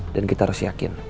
dan kita harus yakin